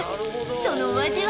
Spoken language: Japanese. そのお味は？